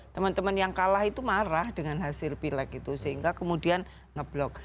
teman teman yang kalah itu marah dengan hasil pilek itu sehingga kemudian ngeblok